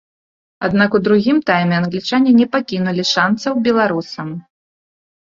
Аднак у другім тайме англічане не пакінулі шанцаў беларусам.